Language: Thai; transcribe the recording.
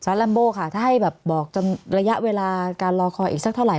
ลัมโบค่ะถ้าให้แบบบอกจนระยะเวลาการรอคอยอีกสักเท่าไห